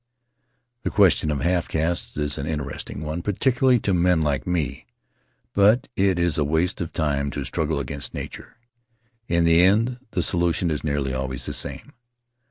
"The question of half castes is an interesting one, particularly to men like me — but it is a waste of time to struggle against nature; in the end the solution is nearly always the same.